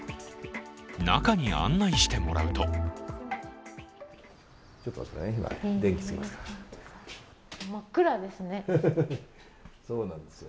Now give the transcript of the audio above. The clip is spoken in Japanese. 中に案内してもらうと真っ暗ですね。